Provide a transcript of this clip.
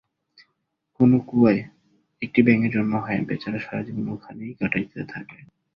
কোন কুয়ায় একটি ব্যাঙের জন্ম হয়, বেচারা সারাজীবন ওখানেই কাটাইতে থাকে।